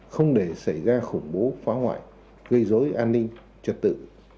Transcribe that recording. không để xảy ra khủng bố phá hoại gây dối an ninh trật tự